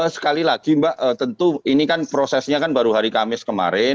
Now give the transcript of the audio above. sekali lagi mbak tentu ini kan prosesnya kan baru hari kamis kemarin